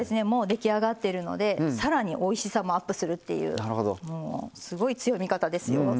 もう出来上がってるのでさらにおいしさもアップするっていうすごい強みですよ。